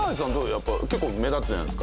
やっぱ結構目立つじゃないですか。